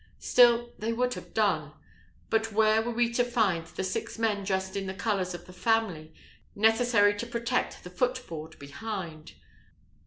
Still they would have done; but where were we to find the six men dressed in the colours of the family, necessary to protect the foot board behind?